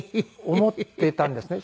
思っていたんですね。